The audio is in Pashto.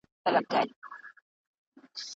د اوسپنې ګولۍ د میندو لپاره ګټورې دي.